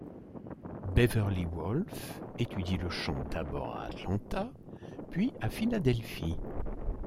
Beverly Wolff étudie le chant d'abord à Atlanta, puis à Philadelphie.